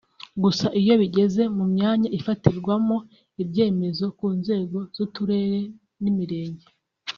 Gusa iyo bigeze mu myanya ifatirwamo ibyemezo ku nzego z’uturere n’imirenge